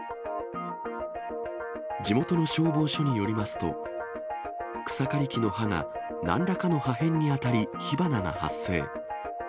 地元の消防署によりますと、草刈り機の刃がなんらかの破片に当たり火花が発生。